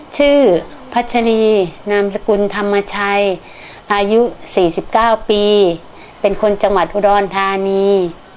ชื่อพัชรีนามสกุลธรรมชัยอายุ๔๙ปีเป็นคนจังหวัดอุดรธานี